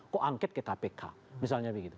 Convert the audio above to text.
kok angket ke kpk misalnya begitu